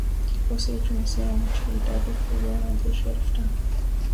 Kikosi hicho ni sehemu ya idadi kubwa ya wanajeshi elfu tano